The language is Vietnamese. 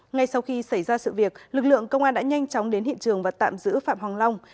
ngay sau khi xảy ra sự việc lực lượng công an đã nhanh chóng đến hiện trường và tạm giữ phạm hoàng long